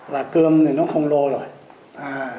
là cơm thì nó không lô rồi